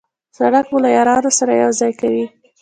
سړک مو له یارانو سره یو ځای کوي.